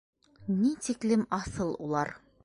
Ни тиклем аҫыл улар!